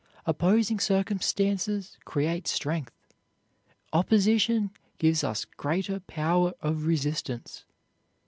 Opposing circumstances create strength. Opposition gives us greater power of resistance.